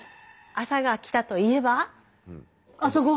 朝が来たといえば？